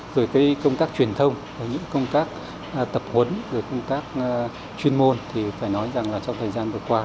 rồi công tác truyền thông công tác tập huấn công tác chuyên môn thì phải nói rằng trong thời gian vừa qua